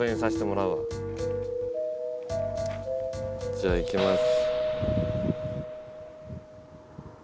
じゃあいきます。